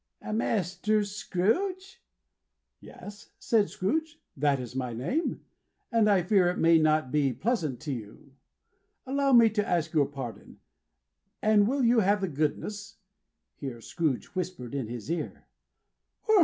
"Mr. Scrooge?" "Yes," said Scrooge. "That is my name, and I fear it may not be pleasant to you. Allow me to ask your pardon. And will you have the goodness" here Scrooge whispered in his ear.